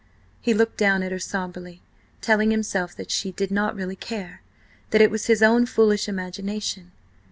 He looked down at her sombrely, telling himself that she did not really care: that it was his own foolish imagination.